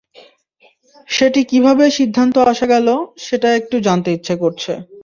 সেটি কিভাবে সিদ্ধন্ত আসা গেল, সেটা একটু জানতে ইচ্ছা করছে।